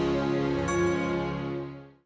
tunggu aku akan beritahu